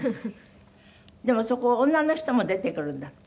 そこ女の人も出てくるんだって？